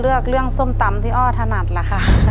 เรื่องส้มตำที่อ้อถนัดล่ะค่ะ